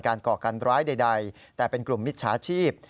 การเกาะการร้ายใดแต่เป็นกลุ่มมิชชาชีพ